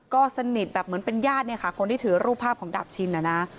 ก็สนิทแบบเหมือนเป็นญาติเนี่ยค่ะคนที่ถือรูปภาพของดาบชินนะนะ